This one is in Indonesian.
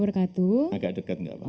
agak dekat enggak pak